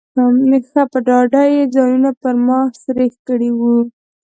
ښه په ډاډه یې ځانونه پر ما سرېښ کړي وو.